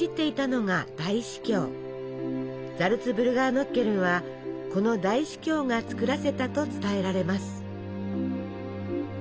ザルツブルガーノッケルンはこの大司教が作らせたと伝えられます。